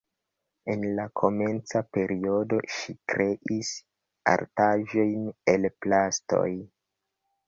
En la komenca periodo ŝi kreis artaĵojn el plastoj.